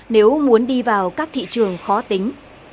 nếu muốn đi vào các thị trường khó tính